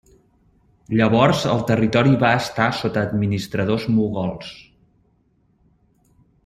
Llavors el territori va estar sota administradors mogols.